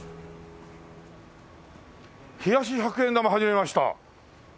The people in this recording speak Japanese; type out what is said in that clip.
「冷やし百円玉はじめました」